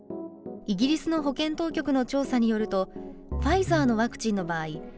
イギリスの保健当局の調査によるとファイザーのワクチンの場合